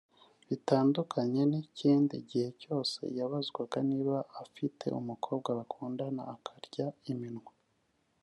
Bitandukanye n’ikindi gihe cyose yabazwaga niba afite umukobwa bakundana akarya iminwa